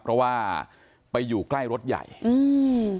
เพราะว่าไปอยู่ใกล้รถใหญ่อืม